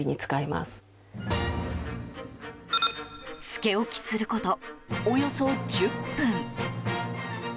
つけ置きすることおよそ１０分。